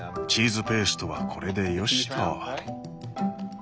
チーズペーストはこれでよしと。